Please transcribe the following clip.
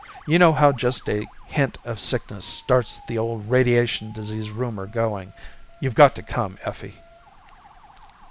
You know how just a hint of sickness starts the old radiation disease rumor going. You've got to come, Effie."